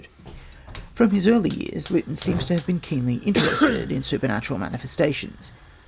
From his early years Lytton seems to have been keenly interested in supernatural manifestations.